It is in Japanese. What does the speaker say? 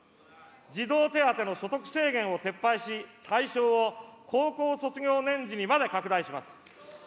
児童手当の所得制限を撤廃し、対象を高校卒業年次にまで拡大します。